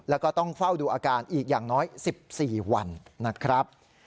แล้วก็ต้องเฝ้าดูอาการอีกอย่างน้อย๑๔วันนะครับ